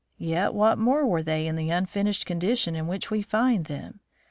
Yet what more were they in the unfinished condition in which we find them?